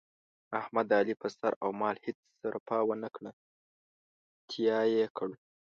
احمد د علي په سر او مال هېڅ سرفه ونه کړه، تیاه یې کړ.